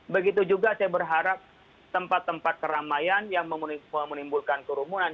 begitu juga saya berharap tempat tempat keramaian yang menimbulkan kerumunan